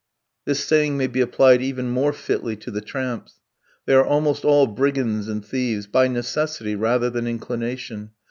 This saying may be applied even more fitly to the tramps. They are almost all brigands and thieves, by necessity rather than inclination.